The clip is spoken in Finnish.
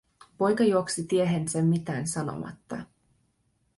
Poika juoksi tiehensä mitään sanomatta.